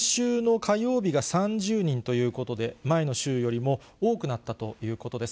先週の火曜日が３０人ということで、前の週よりも多くなったということです。